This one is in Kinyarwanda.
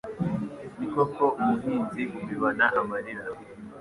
Ni koko umuhinzi ubibana amarira